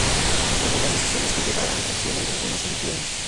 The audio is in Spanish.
Algunas decisiones te llevaran al cielo y algunas al infierno.